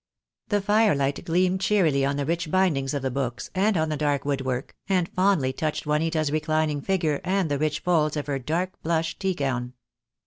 The firelight gleamed cheerily on the rich bindings of the books, and on the dark wood work, and fondly touched Juanita's reclining figure and the rich folds of her dark plush tea gown.